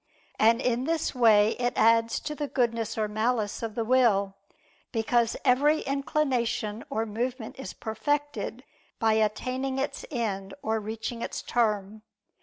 And in this way it adds to the goodness or malice of the will; because every inclination or movement is perfected by attaining its end or reaching its term.